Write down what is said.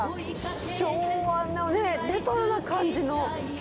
昭和なね、レトロな感じの。